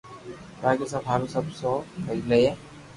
باقي َپ ھارون سب سھو ڪري لي ھي